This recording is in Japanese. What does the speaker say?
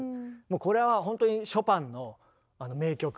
もうこれはほんとにショパンの名曲。